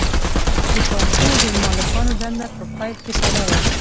د بانکونو د مالکانو دنده په پیل کې ساده وه